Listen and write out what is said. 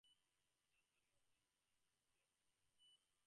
Attached to the northwest rim is the smaller crater Wrottesley.